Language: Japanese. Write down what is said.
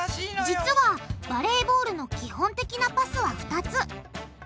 実はバレーボールの基本的なパスは２つ。